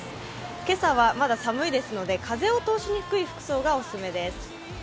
今朝はまだ寒いですので、風を通しにくい服装がオススメです。